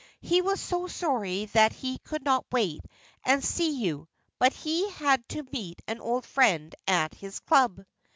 "He was so sorry that he could not wait and see you, but he had to meet an old friend at his club."